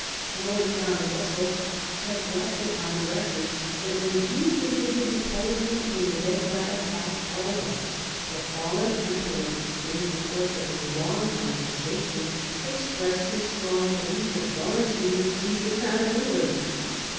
Lord John Russell has left it on record that when he visited Napoleon in his exile at Elba, the fallen Emperor, during the course of a long conversation, expressed his strong belief that Wellington would seize the crown of England.